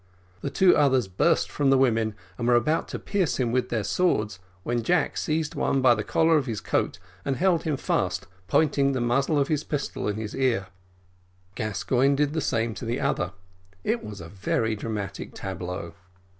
The two others burst from the women, and were about to pierce him with their swords, when Jack seized one by the collar of his coat and held him fast, pointing the muzzle of the pistol to his ear: Gascoigne did the same to the other. It was a very dramatic tableau.